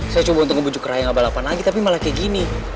saya cuma untuk ngebujuk raya yang abah lapang lagi tapi malah kayak gini